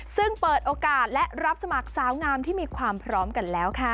ซึ่งเปิดโอกาสและรับสมัครสาวงามที่มีความพร้อมกันแล้วค่ะ